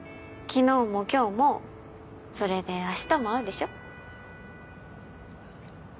昨日も今日もそれであしたも会うでしょ。